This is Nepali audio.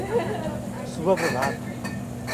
शुभ प्रभात।